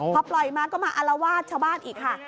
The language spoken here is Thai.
พอปล่อยมาก็มาอารวาสชาวบ้านอีกค่ะ